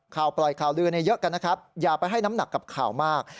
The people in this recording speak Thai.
ปล่อยข่าวลือเยอะกันนะครับอย่าไปให้น้ำหนักกับข่าวมาก